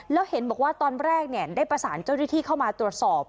แล้วเห็นบอกว่าตอนแรกได้ประสานเจ้าหน้าที่เข้ามาตรวจสอบ